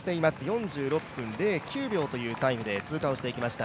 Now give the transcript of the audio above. ４６分０９秒というタイムで通過していきました。